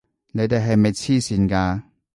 你哋係咪癡線㗎！